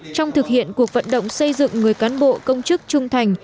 trong thực hiện cuộc vận động xây dựng người cán bộ công chức trung thành